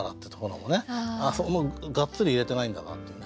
もうがっつり入れてないんだなっていうね。